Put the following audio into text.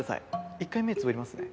一回目つぶりますね